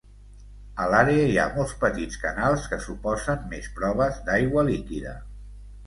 A l'àrea hi ha molts petits canals que suposen més proves d'aigua líquida.